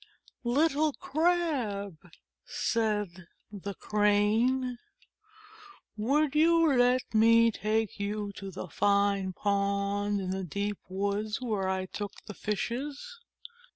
"Little Crab," said the Crane, "would you let me take you to the fine pond in the deep woods where I took the Fishes